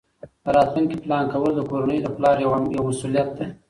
د راتلونکي پلان کول د کورنۍ د پلار یوه مسؤلیت ده.